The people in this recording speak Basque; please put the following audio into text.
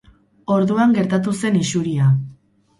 Orduan gertatu zen isuria.